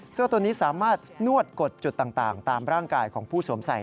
ตัวนี้สามารถนวดกดจุดต่างตามร่างกายของผู้สวมใส่